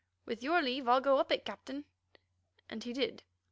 With your leave I'll go up it, Captain," and he did.